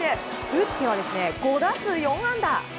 打っては５打数４安打。